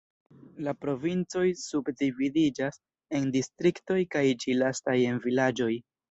La provincoj subdividiĝas en distriktoj kaj ĉi lastaj en vilaĝoj.